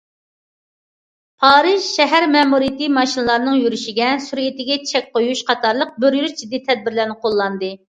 پارىژ شەھەر مەمۇرىيىتى ماشىنىلارنىڭ يۈرۈشىگە، سۈرئىتىگە چەك قويۇش قاتارلىق بىر يۈرۈش جىددىي تەدبىرلەرنى قوللاندى.